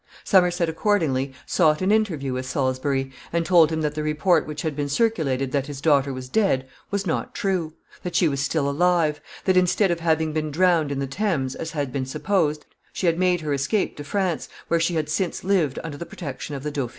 ] Somerset accordingly sought an interview with Salisbury, and told him that the report which had been circulated that his daughter was dead was not true that she was still alive that, instead of having been drowned in the Thames, as had been supposed, she had made her escape to France, where she had since lived under the protection of the dauphiness.